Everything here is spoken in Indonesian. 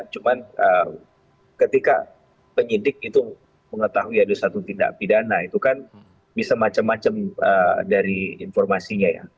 cuman ketika penyidik itu mengetahui ada satu tindak pidana itu kan bisa macam macam dari informasinya ya